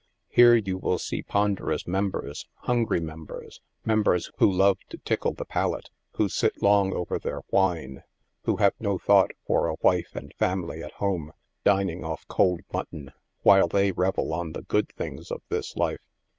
Here you will see ponderous members, hungry members, members who love to tickle the palate, who sit long over their wine, who have no thought l'or a wife and family at home dining off cold mut ton, while they revel on the good things of this life.